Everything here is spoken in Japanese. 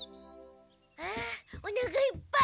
あおなかいっぱい。